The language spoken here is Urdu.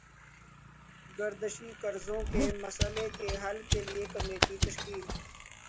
گردشی قرضوں کے مسئلے کے حل کیلئے کمیٹی تشکیل